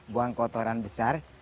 buang kotoran besar